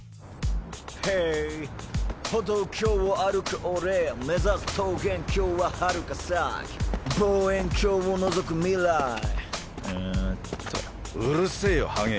ヘイ歩道橋を歩く俺目指す桃源郷は遥か先望遠鏡をのぞく未来えっとうるせえよハゲ